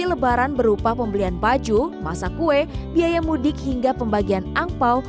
lebaran berupa pembelian baju masak kue biaya mudik hingga pembagian angpao